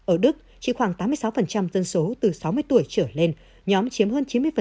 ở đức chỉ khoảng tám mươi sáu dân số từ sáu mươi tuổi trở lên nhóm chiếm hơn chín mươi